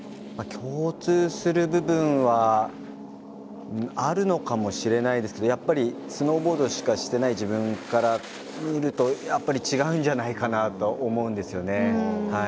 共通する部分はあるのかもしれないですけどやっぱりスノーボードしかしていない自分から見るとやっぱり違うんじゃないかなと思うんですよね。